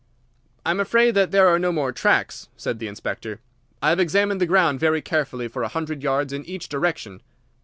"I am afraid that there are no more tracks," said the Inspector. "I have examined the ground very carefully for a hundred yards in each direction."